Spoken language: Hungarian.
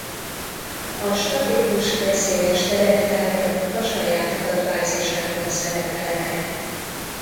A statikus veszélyes tereptárgyak a saját adatbázisában szerepelnek.